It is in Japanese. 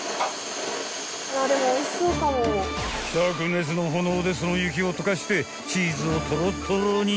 ［灼熱の炎でその雪を溶かしてチーズをトロトロに］